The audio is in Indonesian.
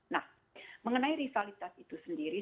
nah mengenai rivalitas itu sendiri